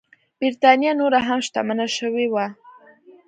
برېټانیا نوره هم شتمنه شوې وه.